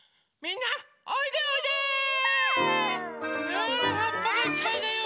ほらはっぱがいっぱいだよ！